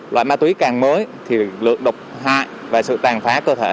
loại ma túy càng mới thì lượng độc hại và sự tàn phá cơ thể